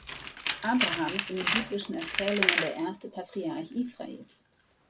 Abraham ist in den biblischen Erzählungen der erste Patriarch Israels.